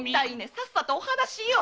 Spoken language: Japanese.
さっさとお話しよ！